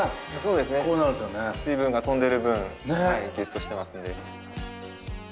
水分が飛んでる分ギュッとしてますんで。